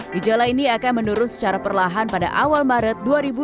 gejala ini akan menurun secara perlahan pada awal maret dua ribu dua puluh